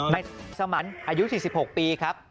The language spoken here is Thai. นายสมันอายุ๔๖ปีครับ